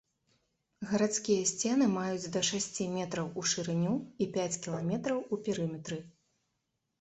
Гарадскія сцены маюць да шасці метраў у шырыню і пяць кіламетраў у перыметры.